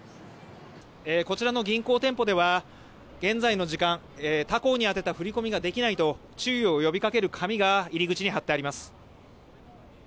こちらの銀行店舗では現在の時間他行に宛てた振り込みができないと注意を呼びかける紙が入り口に貼ってあります。